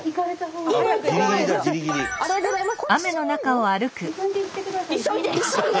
ありがとうございます。